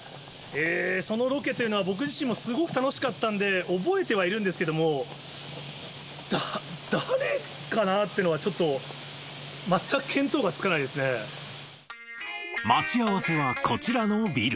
そのロケというのは、僕自身もすごく楽しかったんで、覚えてはいるんですけれども、誰かなというのは、ちょっと、待ち合わせはこちらのビル。